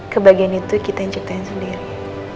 kebahagiaan itu kita yang ciptain sendiri